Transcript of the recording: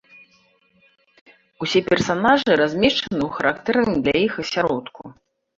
Усе персанажы размешчаны ў характэрным для іх асяродку.